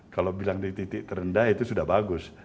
kalau bilang di titik terendah itu sudah bagus